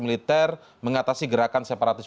militer mengatasi gerakan separatis